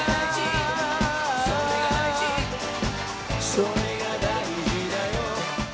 「それが大事だよ」